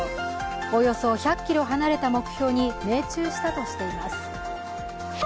およそ１００ｋｍ離れた目標に命中したとしています。